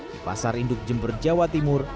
di pasar induk jember jawa timur